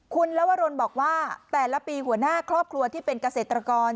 คุณลวรนบอกว่าแต่ละปีหัวหน้าครอบครัวที่เป็นเกษตรกร